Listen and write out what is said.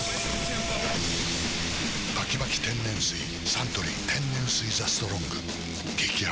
サントリー天然水「ＴＨＥＳＴＲＯＮＧ」激泡